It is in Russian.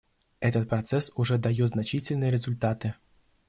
Этот процесс уже дает значительные результаты.